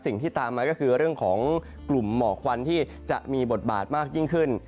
สิ่งที่ตามมาก็คือเรื่องของกลุ่มหมอกควันที่จะมีบทบาทมากยิ่งขึ้น